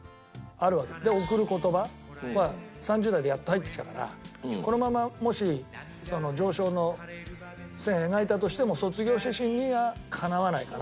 で『贈る言葉』は３０代でやっと入ってきたからこのままもしその上昇の線を描いたとしても『卒業写真』にはかなわないかなと。